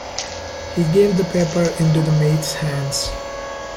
He gave the paper into the maid's hands.